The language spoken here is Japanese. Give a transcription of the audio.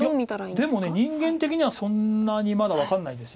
でも人間的にはそんなにまだ分かんないです。